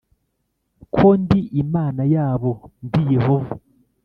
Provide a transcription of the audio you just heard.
ko ndi Imana yabo Ndi Yehova